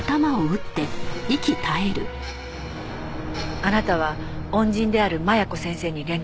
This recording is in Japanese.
あなたは恩人である麻弥子先生に連絡をした。